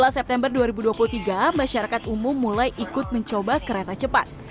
dua puluh september dua ribu dua puluh tiga masyarakat umum mulai ikut mencoba kereta cepat